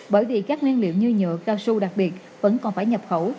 bởi vì các nguyên liệu như nhựa cao su đặc biệt vẫn còn phải nhập khẩu